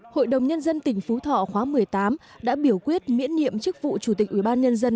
hội đồng nhân dân tỉnh phú thọ khóa một mươi tám đã biểu quyết miễn nhiệm chức vụ chủ tịch ủy ban nhân dân